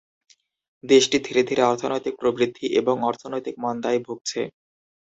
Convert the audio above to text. দেশটি ধীরে ধীরে অর্থনৈতিক প্রবৃদ্ধি এবং অর্থনৈতিক মন্দায় ভুগছে।